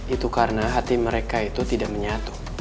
itu karena hati mereka itu tidak menyatu